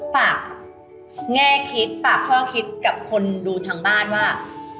ฝากแง่คิดฝากข้อคิดกับคนดูทางบ้านว่า